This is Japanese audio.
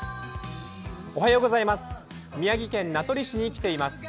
宮城県名取市に来ています。